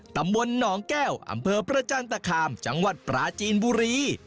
ตำบลหนองแก้วอำเภอประจันตคามจังหวัดปราจีนบุรี